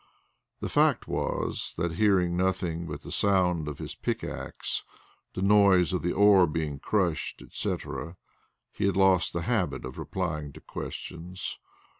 The fact was that, hearing nothing but the sound of his pickaxe, the noise of the ore being crushed, etc., he had lost the habit of replying to questions.